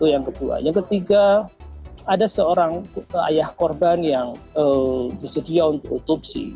yang ketiga ada seorang ayah korban yang disediakan untuk otopsi